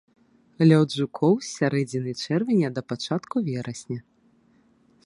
Лёт жукоў з сярэдзіны чэрвеня да пачатку верасня.